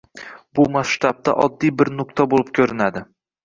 Bu masshtabda oddiy bir nuqta boʻlib koʻrinadi.